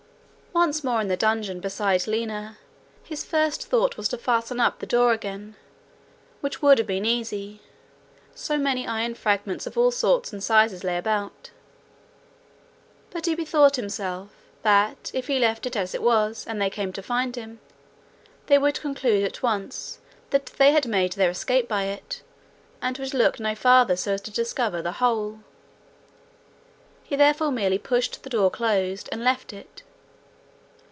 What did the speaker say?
Once more in the dungeon beside Lina, his first thought was to fasten up the door again, which would have been easy, so many iron fragments of all sorts and sizes lay about; but he bethought himself that if he left it as it was, and they came to find him, they would conclude at once that they had made their escape by it, and would look no farther so as to discover the hole. He therefore merely pushed the door close and left it.